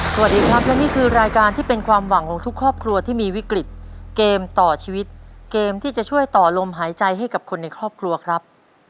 สวัสดีครับและนี่คือรายการที่เป็นความหวังของทุกครอบครัวที่มีวิกฤตเกมต่อชีวิตเกมที่จะช่วยต่อลมหายใจให้กับคนในครอบครัวครับ